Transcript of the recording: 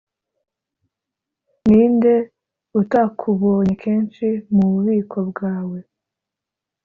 ni nde utakubonye kenshi mu bubiko bwawe?